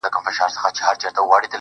• مور مي خپه ده ها ده ژاړي راته.